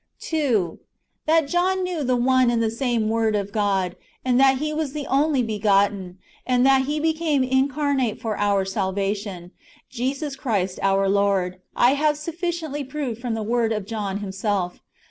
2. That John knew the one and the same Word of God, and that He was the only begotten, and that He became incarnate for our salvation, Jesus Christ our Lord, I have sufficiently proved from the word of John himself.